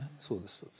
そうです。